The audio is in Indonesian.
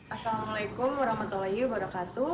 assalamualaikum warahmatullahi wabarakatuh